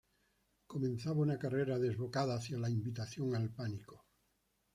Comenzaba una carrera desbocada hacia la invitación al pánico.